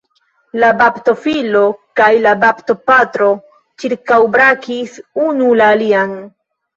La baptofilo kaj la baptopatro ĉirkaŭbrakis unu alian.